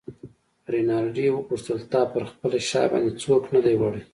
رینالډي وپوښتل: تا پر خپله شا باندې څوک نه دی وړی؟